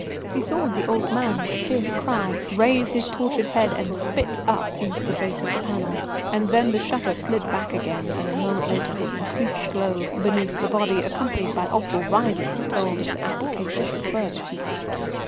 He saw the old man, with a fierce cry, raise his tortured head and spit up into the face at the panel, and then the shutter slid back again, and a moment later the increased glow beneath the body, accompanied by awful writhing, told of the application of further heat.